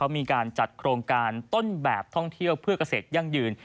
มีการจัดโครงการต้นแบบท่องเที่ยวเพื่อเกษตรยั่งยืน